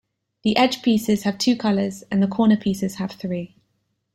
The edge pieces have two colors, and the corner pieces have three.